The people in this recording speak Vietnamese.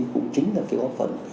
cũng chính là phía góp phần